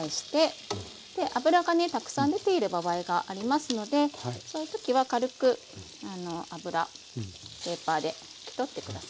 で脂がねたくさん出ている場合がありますのでその時は軽く脂ペーパーで拭き取って下さい。